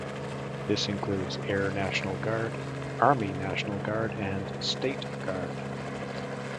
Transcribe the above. This includes Air National Guard, Army National Guard, and State Guard.